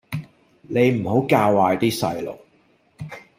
你唔好教壞啲細路